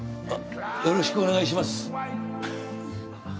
あっ。